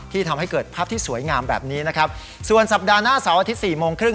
ทำให้เกิดภาพที่สวยงามแบบนี้นะครับส่วนสัปดาห์หน้าเสาร์อาทิตย์สี่โมงครึ่ง